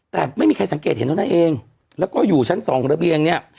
แต่ไม่มีใครสังเกตเห็นเท่านั้นเองแล้วก็อยู่ชั้นสองระเบียงเนี่ย